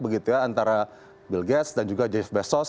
antara bill gates dan juga jeff bezos